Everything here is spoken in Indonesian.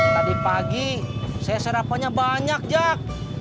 tadi pagi saya sarapannya banyak jak